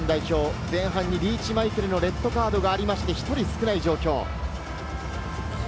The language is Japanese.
日本代表、前半にリーチ・マイケルのレッドカードがありまして、１人少ない状況。